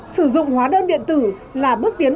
sử dụng hóa đơn điện tử là bước tiến